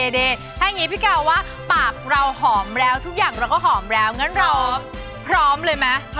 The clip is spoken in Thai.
จริงจริงจริงจริง